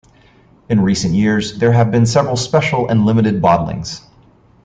In recent years there have been several special and limited bottlings.